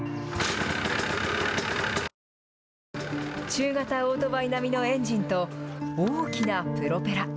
中型オートバイ並みのエンジンと、大きなプロペラ。